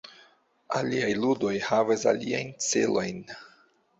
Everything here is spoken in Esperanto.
Aliaj ludoj havas aliajn celojn.